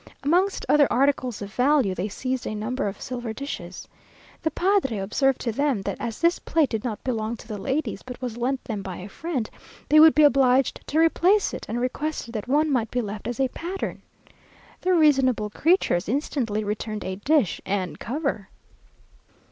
Amongst other articles of value, they seized a number of silver dishes. The padre observed to them, that as this plate did not belong to the ladies, but was lent them by a friend, they would be obliged to replace it, and requested that one might be left as a pattern. The reasonable creatures instantly returned a dish and cover!